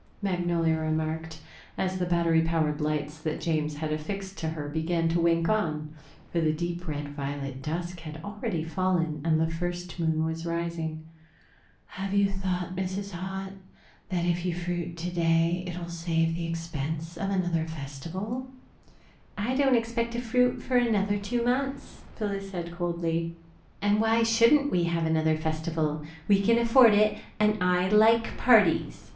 Magnolia remarked, as the battery powered lights that James had affixed to her began to wink on, for the deep red violet dusk had already fallen and the first moon was rising. "Have you thought, Mrs. Haut, that if you fruit today, it will save the expense of another festival?" "I don't expect to fruit for another two months," Phyllis said coldly, "and why shouldn't we have another festival? We can afford it and I like parties.